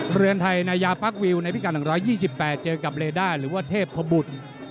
เหลือนไทยหน้าหญ้าปาร์ควิวในพิการ๑๒๘เจอกับเลด้าหรือว่าเทพพบุธ